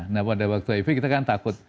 nah pada waktu hiv kita kan takut